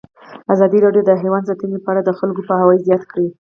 ازادي راډیو د حیوان ساتنه په اړه د خلکو پوهاوی زیات کړی.